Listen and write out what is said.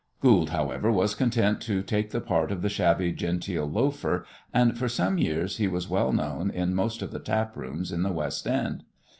Goold, however, was content to take the part of the shabby genteel "loafer," and for some years he was well known in most of the taprooms in the West End.